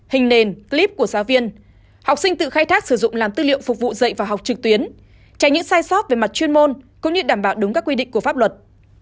hình nền clip của giáo viên học sinh tự khai thác sử dụng làm tư liệu phục vụ dạy và học trực tuyến tránh những sai sót về mặt chuyên môn cũng như đảm bảo đúng các quy định của pháp luật